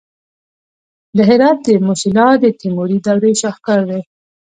د هرات د موسیلا د تیموري دورې شاهکار دی